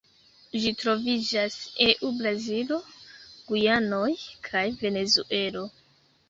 Ĝi troviĝas eu Brazilo, Gujanoj, kaj Venezuelo.